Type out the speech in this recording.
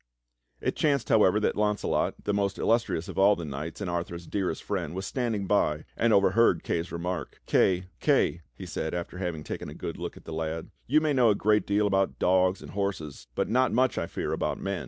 It chanced, however, that Launcelot, the most illustrious of all the knights, and Arthur's dearest friend, was standing by and overheard Kay's remark. "Kay, Kay," he said, after having taken a good look at the lad. "You may know a great deal about dogs and horses, but not much, I fear, about men.